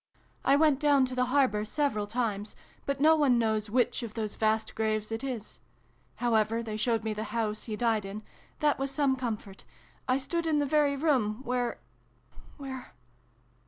" I went down to the harbour several times, but no one knows which of those vast graves it is. However, they showed me the house he died in : that was some comfort. I stood in the very room where where